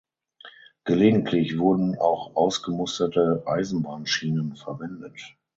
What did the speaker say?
Gelegentlich wurden auch ausgemusterte Eisenbahnschienen verwendet.